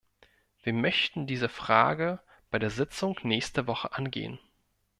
Wir möchten diese Frage bei der Sitzung nächste Woche angehen.